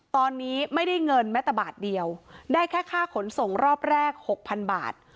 ตอนนี้ไม่ได้เงินแม้แต่บาทเดียวได้แค่ค่าขนส่งรอบแรกหกพันบาท